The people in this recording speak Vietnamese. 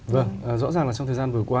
vâng rõ ràng là trong thời gian vừa qua